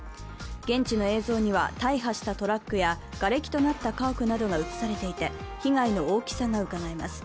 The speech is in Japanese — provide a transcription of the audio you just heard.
現地の映像には大破したトラックやがれきとなった家屋などが映されていて、被害の大きさがうかがえます。